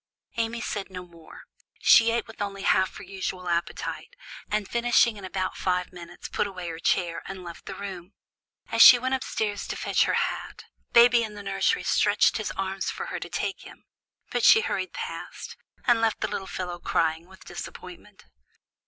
Amy said no more. She ate with only half her usual appetite, and, finishing in about five minutes put away her chair, and left the room. As she went up stairs to fetch her hat, baby in the nursery stretched his arms for her to take him; but she hurried past, and left the little fellow crying with disappointment.